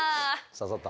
刺さった。